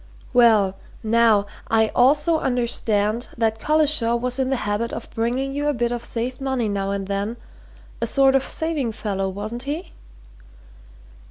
"Well, now, I also understand that Collishaw was in the habit of bringing you a bit of saved money now and then a sort of saving fellow, wasn't he?"